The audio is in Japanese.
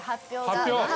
発表が。